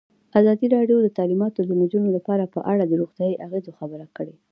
ازادي راډیو د تعلیمات د نجونو لپاره په اړه د روغتیایي اغېزو خبره کړې.